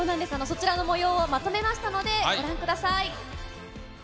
そちらのもようをまとめましたので、ご覧ください。